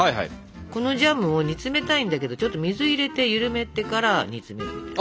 このジャムを煮詰めたいんだけどちょっと水入れて緩めてから煮詰めるみたいな。